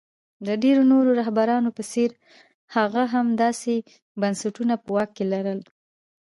د ډېرو نورو رهبرانو په څېر هغه هم داسې بنسټونه په واک کې لرل.